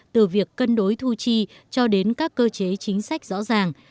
từ việc cân đối thu chi cho đến các cơ chế chính sách rõ ràng